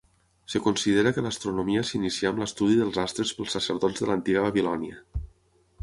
Es considera que l'astronomia s'inicià amb l'estudi dels astres pels sacerdots de l'antiga Babilònia.